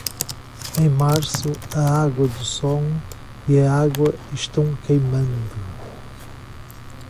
Em março, a água do sol e a água estão queimando.